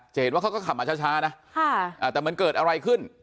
จะเห็นว่าเขาก็ขับมาช้าช้านะค่ะอ่าแต่เหมือนเกิดอะไรขึ้น